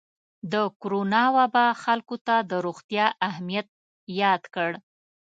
د کرونا وبا خلکو ته د روغتیا اهمیت یاد کړ.